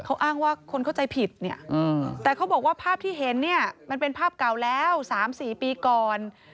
เขาอ้างว่าคนเข้าใจผิดเนี่ยแต่เขาบอกว่าภาพที่เห็นเนี่ยมันเป็นภาพเก่าแล้ว๓๔ปีก่อน